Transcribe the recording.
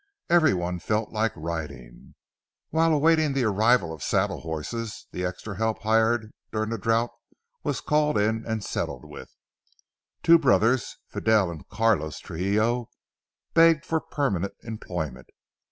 Every one felt like riding. While awaiting the arrival of saddle horses, the extra help hired during the drouth was called in and settled with. Two brothers, Fidel and Carlos Trujillo, begged for permanent employment.